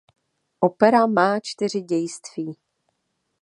Opera má čtyři dějství.